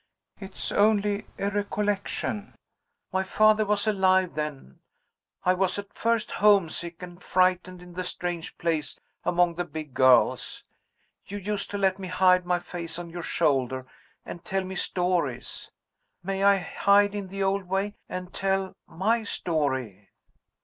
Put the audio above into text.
"It's only a recollection. My father was alive then. I was at first home sick and frightened in the strange place, among the big girls. You used to let me hide my face on your shoulder, and tell me stories. May I hide in the old way and tell my story?"